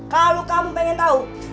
kalau kamu pengen tahu